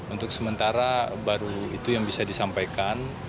untuk sementara baru itu yang bisa disampaikan